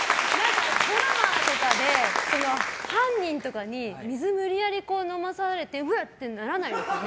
ドラマとかで犯人とかに水、無理やり飲まされてうわってならないですよね？